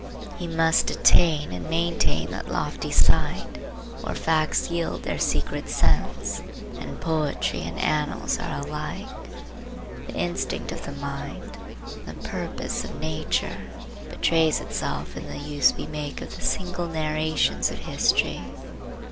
He must attain and maintain that lofty sight where facts yield their secret sense, and poetry and annals are alike. The instinct of the mind, the purpose of nature, betrays itself in the use we make of the signal narrations of history.